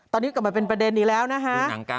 ตอนนี้กลับมาเป็นประเด็นอีกแล้วนะฮะ